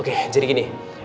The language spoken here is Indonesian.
oke jadi gini